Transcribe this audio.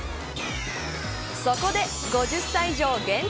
そこで５０歳以上限定